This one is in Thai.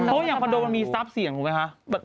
เพราะอย่างคอนโดมันมีสับเสียงเหรอไหมคะ